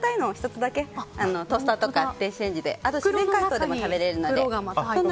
１つだけトースターとか電子レンジとか自然解凍でも食べられるので。